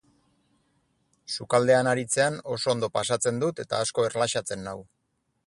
Sukaldean aritzean oso ondo pasatzen dut eta asko erlaxatzen nau.